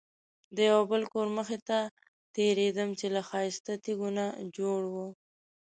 د یو بل کور مخې ته تېرېدم چې له ښایسته تیږو نه جوړ و.